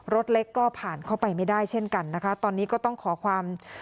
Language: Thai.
รถเล็กก็ผ่านเข้าไปไม่ได้เช่นกันนะคะตอนนี้ก็ต้องขอความ